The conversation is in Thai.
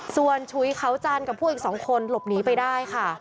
ส่วนฉุยเขาจันทร์กับพวกอีก๒คนหลบหนีไปได้ค่ะ